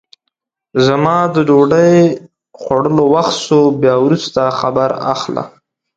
زما د ډوډۍ خوړلو وخت سو بیا وروسته خبر اخله!